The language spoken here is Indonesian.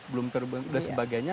belum terbentuk dan sebagainya